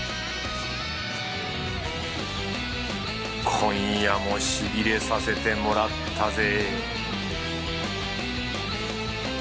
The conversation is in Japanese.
今夜もシビれさせてもらったぜ